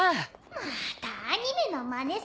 まーたアニメのまねさ。